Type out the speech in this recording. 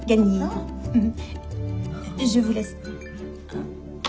うん。